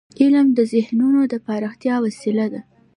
علم د ذهنونو د پراختیا وسیله ده.